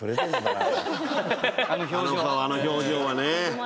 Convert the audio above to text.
あの顔あの表情はね。